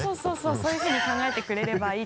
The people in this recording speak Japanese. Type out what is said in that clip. そういうふうに考えてくれればいいと思うので。